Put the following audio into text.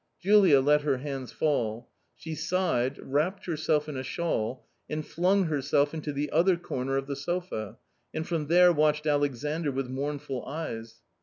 Julia let her hands fall. She sighed, wrapped herself in a shawl, and flung herself into the other corner of the sofa, and from there watched Alexandr with mournful eyes.